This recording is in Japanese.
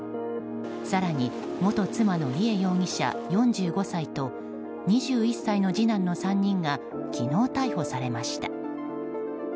更に元妻の梨恵容疑者、４５歳と２１歳の次男の３人が昨日逮捕されました。